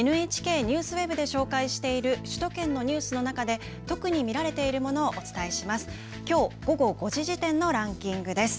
ＮＨＫＮＥＷＳＷＥＢで紹介している首都圏のニュースの中で特に見られているものをお伝えします。